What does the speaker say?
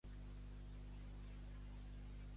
Es poden trobar alguns exemples en jocs.